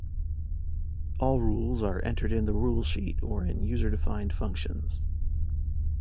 All rules are entered in the Rule Sheet or in user-defined functions.